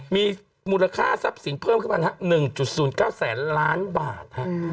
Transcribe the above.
มีมูลค่าทรัพย์สินเพิ่มขึ้นมา๑๐๙แสนล้านบาท